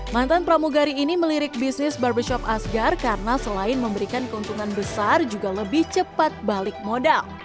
mantan pramugari ini melirik bisnis barbershop asgar karena selain memberikan keuntungan besar juga lebih cepat balik modal